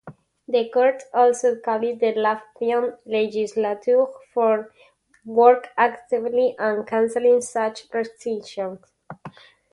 The Court also called the Latvian legislature for "work actively on cancelling such restrictions".